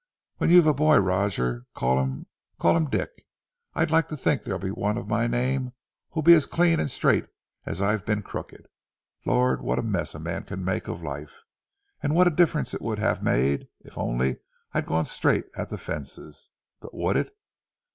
When you've a boy, Roger, call him ... call him Dick. I'd like to think there'll be one of my name who'll be as clean and straight as I've been crooked. Lord! What a mess a man can make of life! And what a difference it would have made ... if only I'd gone straight at the fences. But would it?...